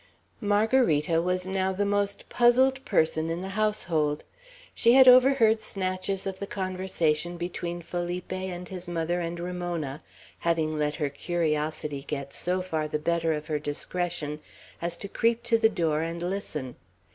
Margarita was now the most puzzled person in the household. She had overheard snatches of the conversation between Felipe and his mother and Ramona, having let her curiosity get so far the better of her discretion as to creep to the door and listen.